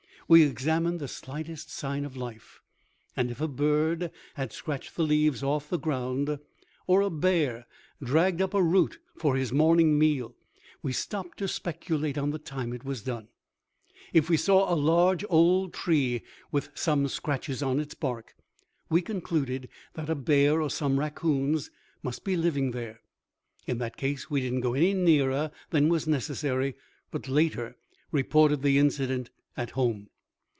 We examined the slightest sign of life; and if a bird had scratched the leaves off the ground, or a bear dragged up a root for his morning meal, we stopped to speculate on the time it was done. If we saw a large old tree with some scratches on its bark, we concluded that a bear or some raccoons must be living there. In that case we did not go any nearer than was necessary, but later reported the incident at home.